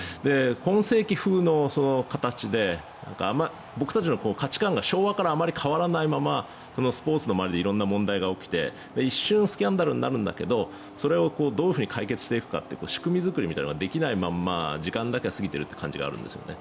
今世紀風の形で僕たちの価値観が昭和からあまり変わらないままスポーツの周りで色んな問題が起きて一瞬スキャンダルになるんだけどそれをどう解決していくかって仕組み作りみたいなのができないまま時間だけが過ぎている感じがするんですね。